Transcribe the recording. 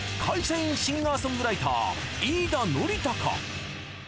会社員シンガーソングライター飯田徳孝